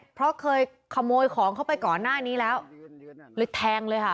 เพราะเคยขโมยของเขาไปก่อนหน้านี้แล้วเลยแทงเลยค่ะ